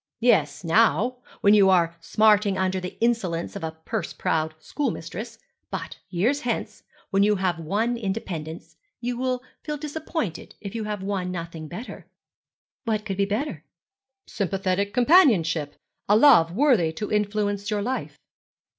'Yes, now, when you are smarting under the insolence of a purse proud schoolmistress; but years hence, when you have won independence, you will feel disappointed if you have won nothing better.' 'What could be better?' 'Sympathetic companionship a love worthy to influence your life.'